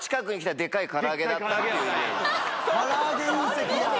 から揚げ隕石や。